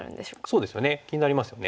そうですよね気になりますよね。